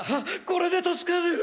これで助かる！